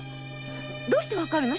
どうしてわかるの？